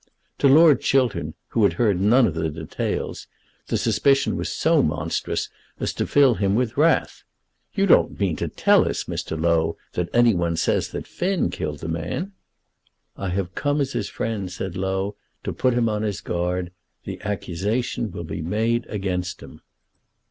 To Lord Chiltern, who had heard none of the details, the suspicion was so monstrous as to fill him with wrath. "You don't mean to tell us, Mr. Low, that any one says that Finn killed the man?" "I have come as his friend," said Low, "to put him on his guard. The accusation will be made against him."